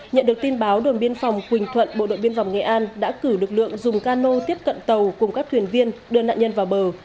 nhận được tin báo đồn biên phòng quỳnh thuận bộ đội biên phòng nghệ an đã cử lực lượng dùng cano tiếp cận tàu cùng các thuyền viên đưa nạn nhân vào bờ